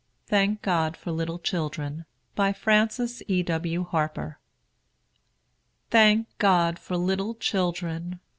THANK GOD FOR LITTLE CHILDREN. BY FRANCES E. W. HARPER. Thank God for little children!